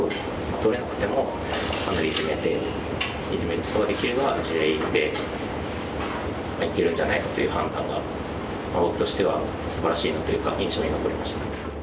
取れなくてもイジメてイジメることができれば地合いでいけるんじゃないかという判断が僕としてはすばらしいなというか印象に残りました。